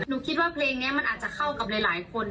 คิดว่าเพลงนี้มันอาจจะเข้ากับหลายคน